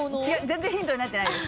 全然ヒントになってない。